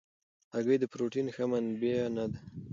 هګۍ د پروټین ښه منبع نه ده.